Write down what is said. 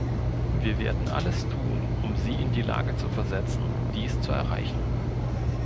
Wir werden alles tun, um Sie in die Lage zu versetzen, dies zu erreichen.